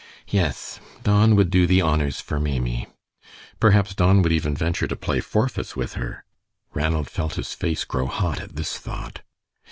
Yes, Don would do the honors for Maimie. Perhaps Don would even venture to play "forfeits" with her. Ranald felt his face grow hot at this thought.